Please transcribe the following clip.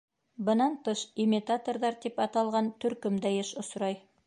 Бынан тыш, «имитаторҙар» тип аталған төркөм дә йыш осрай.